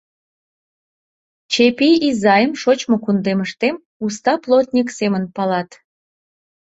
Чепий изайым шочмо кундемыштем уста плотник семын палат.